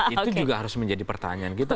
itu juga harus menjadi pertanyaan kita